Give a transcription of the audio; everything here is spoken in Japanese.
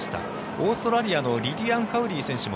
オーストラリアのリディアン・カウリー選手も